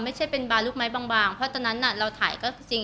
ไม่ใช่เป็นบาลูกไม้บางเพราะตอนนั้นเราถ่ายก็จริง